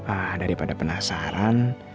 ah daripada penasaran